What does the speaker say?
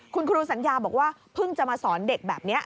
คุณครูสัญญาบอกว่าเพิ่งจะมาสอนเด็กแบบนี้